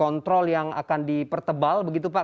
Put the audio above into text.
kontrol yang akan dipertebal begitu pak